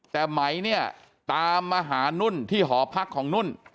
แต่ไหมเนี่ยตามมาหานุ่นที่หอพักของนุ่น